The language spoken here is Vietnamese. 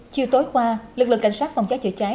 chiều tối qua lực lượng cảnh sát phòng cháy chữa cháy